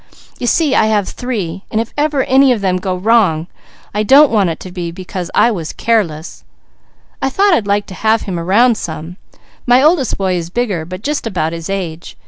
You see I have three, and if ever any of them go wrong, I don't want it to be because I was careless. I thought I'd like to have him around some; my oldest boy is bigger, but just about his age.